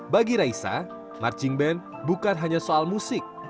bagi raisa marching band bukan hanya soal musik